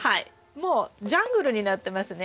もうジャングルになってますね。